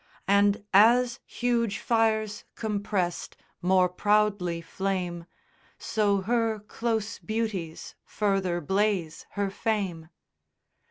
And as huge fires compress'd more proudly flame, So her close beauties further blaze her fame.